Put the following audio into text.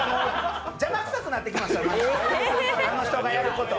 邪魔くさくなってきました、あの人がやること。